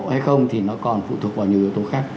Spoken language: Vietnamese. hay không thì nó còn phụ thuộc vào nhiều yếu tố khác